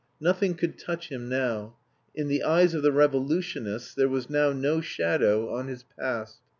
Nothing could touch him now; in the eyes of the revolutionists there was now no shadow on his past.